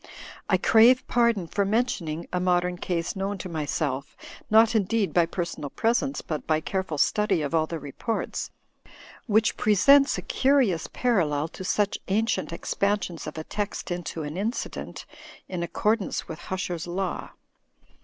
I crave pardon i for mentioning a modern case known to myself (not ^ indeed by personal presence, but by careful study of > all the reports) which presents a curious parallel to such ancient expansions of a text into an incident, in i accordance with Huscher's law.